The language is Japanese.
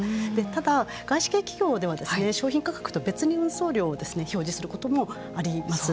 ただ、外資系企業では商品価格とは別に運送料を表示することもあります。